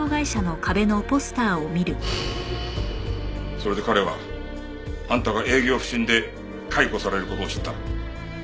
それで彼はあんたが営業不振で解雇される事を知った。